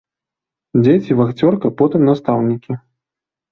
Дзеці, вахцёрка, потым настаўнікі.